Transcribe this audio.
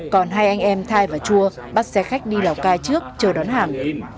còn hai anh em thai và chua bắt xe khách đi lào cai trước chờ đón hàng